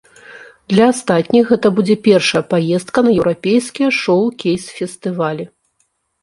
Для астатніх гэта будзе першая паездка на еўрапейскія шоўкейс-фестывалі.